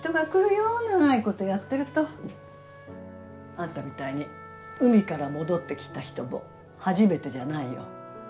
あんたみたいに海から戻ってきた人も初めてじゃないよ。